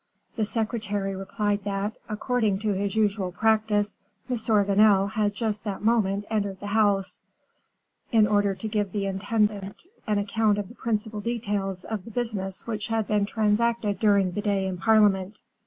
The secretary replied that, according to his usual practice, M. Vanel had just that moment entered the house, in order to give the intendant an account of the principal details of the business which had been transacted during the day in parliament.